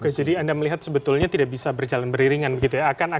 oke jadi anda melihat sebetulnya tidak bisa berjalan beriringan begitu ya